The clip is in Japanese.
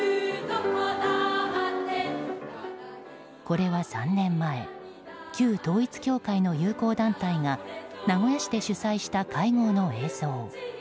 これは、３年前旧統一教会の友好団体が名古屋市で主催した会合の映像。